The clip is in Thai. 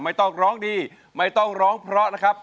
ไม่ต้องร้องดีไม่ต้องร้องเพราะนะครับ